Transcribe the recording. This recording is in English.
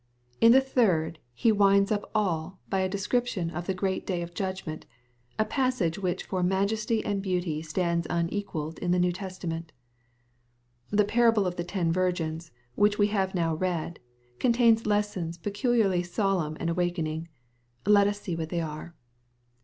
— ^In the third, He winds up all by a de scription of the great day of judgment, a'^passage which for majesty and beauty stands unequalled in the New Testament. The parable of the ten virgins, which we have now read, contains lessons peculiarly solemn and awakening. Let us see what they are.